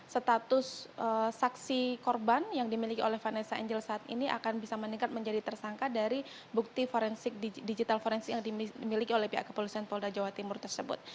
status saksi korban yang dimiliki oleh vanessa angel saat ini akan bisa meningkat menjadi tersangka dari bukti digital forensik yang dimiliki oleh pihak kepolisian polda jawa timur tersebut